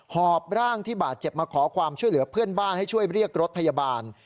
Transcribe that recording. หอบร่างที่บาดเจ็บมาขอความช่วยเหลือเพื่อนบ้านให้ช่วยเรียกรถพยาบาล